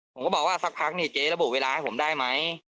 ผมก็บอกว่าสักพักนี่เจ๊ระบุเวลาให้ผมได้ไหม